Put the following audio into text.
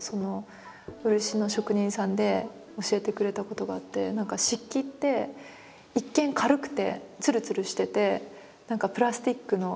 漆の職人さんで教えてくれたことがあって何か漆器って一見軽くてつるつるしてて何かプラスチックの。